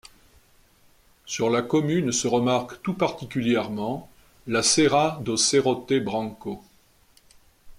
Sur la commune se remarque tout particulièrement la Serra do Serrote Branco.